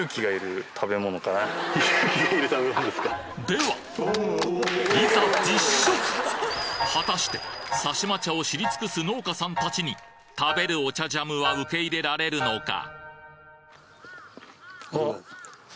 ではいざ果たして猿島茶を知り尽くす農家さんたちに食べるお茶ジャムは受け入れられるのか！？